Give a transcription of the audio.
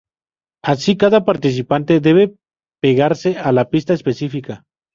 Así cada participante debe pegarse a la pista específica.